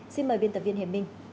xin mời biên tập viên hiền minh